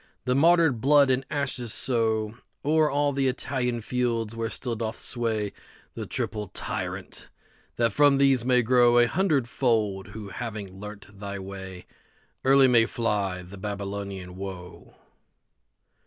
Their martyred blood and ashes sowO'er all the Italian fields, where still doth swayThe triple Tyrant; that from these may growA hundredfold, who, having learnt thy way, Early may fly the Babylonian woe.